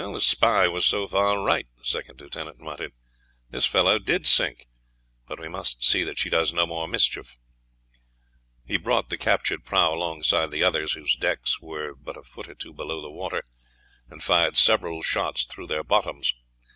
"The spy was so far right," the second lieutenant muttered "this fellow did sink; now we must see that she does no more mischief." He brought the captured prahu alongside the others, whose decks were but a foot or two below the water, and fired several shots through their bottoms.